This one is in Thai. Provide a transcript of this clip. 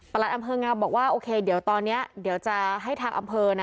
ประระยัดอัมเพิงเงาบอกว่าโอเคตอนนี้เดี๋ยวจะให้ทางอำเปิ